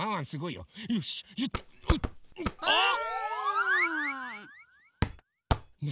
あっ！